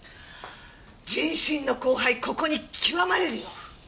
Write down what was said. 「人心の荒廃ここに極まれり」よ。